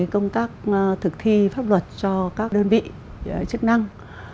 công tác thực thi pháp luật cho các đơn vị chức năng